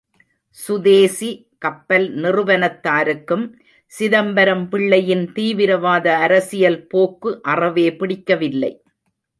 சுதேசி கப்பல் நிறுவனத்தாருக்கும், சிதம்பரம் பிள்ளையின் தீவிரவாத அரசியல் போக்கு அறவே பிடிக்கவில்லை.